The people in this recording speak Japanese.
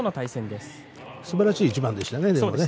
すばらしい一番でしたね。